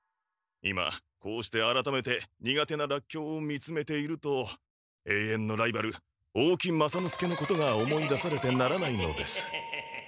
今こうして改めて苦手なラッキョウを見つめていると永遠のライバル大木雅之助のことが思い出されてならないのです。